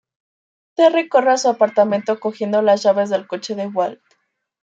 Terry corre a su apartamento cogiendo las llaves del coche de Walt.